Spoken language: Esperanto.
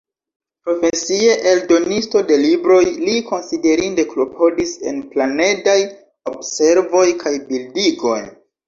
Profesie eldonisto de libroj, li konsiderinde klopodis en planedaj observoj kaj bildigoj.